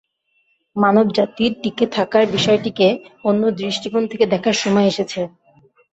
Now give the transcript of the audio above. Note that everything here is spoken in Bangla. মানব জাতির টিকে থাকার বিষয়টিকে অন্য দৃষ্টিকোণ থেকে দেখার সময় এসেছে।